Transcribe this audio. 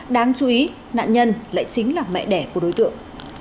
đáng chú ý nạn nhân lại chính là mẹ đẻ của đối tượng